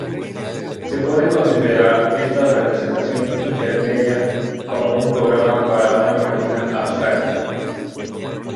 Se puede considerar esta representación intermedia como un programa para una máquina abstracta.